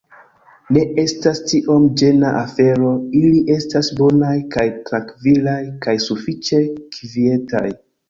Ne estas tiom ĝena afero ili estas bonaj kaj trankvilaj kaj sufiĉe kvietaj